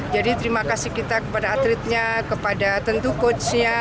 jadi terima kasih kita kepada atletnya kepada tentu coachnya kepada manajernya caburnya